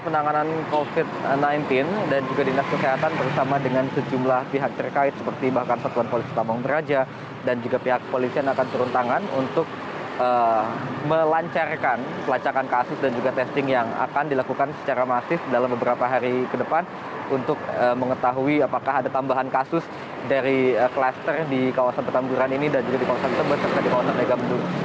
dika dari satuan tugas penanganan covid sembilan belas dan juga dinas kesehatan bersama dengan sejumlah pihak terkait seperti bahkan satuan polisi tabang meraja dan juga pihak polisi yang akan turun tangan untuk melancarkan pelacakan kasus dan juga testing yang akan dilakukan secara masif dalam beberapa hari ke depan untuk mengetahui apakah ada tambahan kasus dari klaster di kawasan petamburan ini dan juga di kawasan sebut serta di kawasan nega bendung